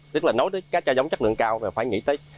tức là nói tới cá tra giống chất lượng cao phải nghĩ tới